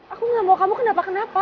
aku nggak mau kamu kenapa kenapa